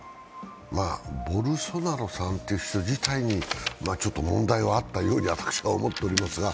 ボルソナロさん自体に問題があったように私は思っておりますが。